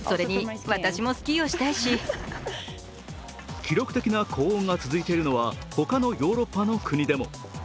記録的な高温が続いているのは他のヨーロッパの国でも。